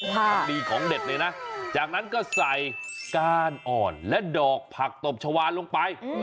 ของดีของเด็ดเลยนะจากนั้นก็ใส่ก้านอ่อนและดอกผักตบชาวานลงไป